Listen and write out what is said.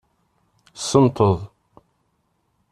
Senteḍ.